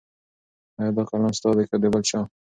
ایا دا قلم ستا دی که د بل چا؟